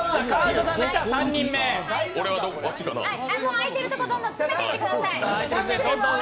あいてるところどんどん詰めていってください。